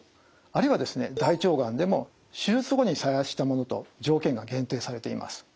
あるいはですね大腸がんでも手術後に再発したものと条件が限定されています。